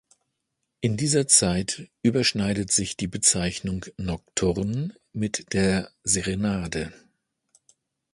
In dieser Zeit überschneidet sich die Bezeichnung "Nocturne" mit der Serenade.